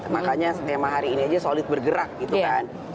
makanya tema hari ini aja solid bergerak gitu kan